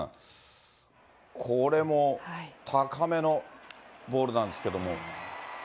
これも高めのボールなんですけども。